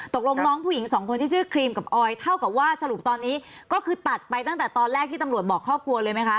ตกลงน้องผู้หญิงสองคนที่ชื่อครีมกับออยเท่ากับว่าสรุปตอนนี้ก็คือตัดไปตั้งแต่ตอนแรกที่ตำรวจบอกครอบครัวเลยไหมคะ